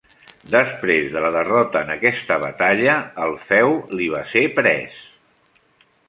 Després de la derrota en aquesta batalla, el feu li va ser pres.